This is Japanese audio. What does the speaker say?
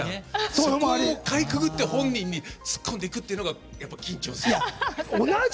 そこをかいくぐって本人に突っ込んでいくというのが緊張。